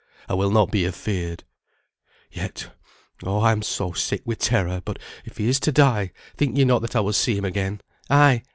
I will not be afeared. Yet, oh! I am so sick with terror. But if he is to die, think ye not that I will see him again; ay!